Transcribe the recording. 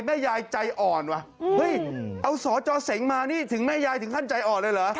แม่ยายใจอ่อนว่ะเฮ้ยเอาสจเสงมานี่ถึงแม่ยายถึงขั้นใจอ่อนเลยเหรอ